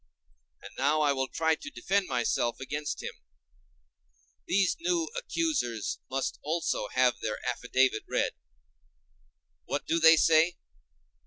And now I will try to defend myself against them: these new accusers must also have their affidavit read. What do they say?